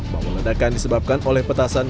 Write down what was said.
bahwa ledakan disebabkan oleh petasan